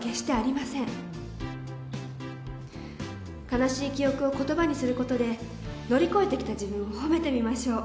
悲しい記憶を言葉にすることで乗り越えてきた自分を褒めてみましょう